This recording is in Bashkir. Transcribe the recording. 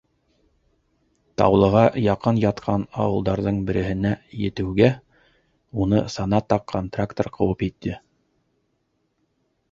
Таулыға яҡын ятҡан ауылдарҙың береһенә етеүгә, уны сана таҡҡан трактор ҡыуып етте.